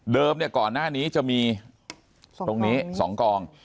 เดิมเนี่ยก่อนหน้านี้จะมีตรงนี้สองกอง